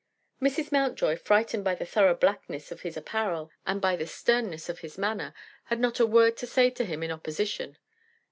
Mrs. Mountjoy, frightened by the thorough blackness of his apparel and by the sternness of his manner, had not a word to say to him in opposition.